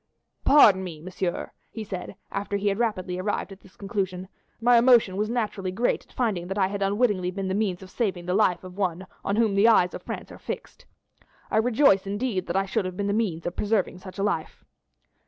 "Pardon me, monsieur," he said, after he had rapidly arrived at this conclusion; "my emotion was naturally great at finding that I had unwittingly been the means of saving the life of one on whom the eyes of France are fixed. I rejoice indeed that I should have been the means of preserving such a life."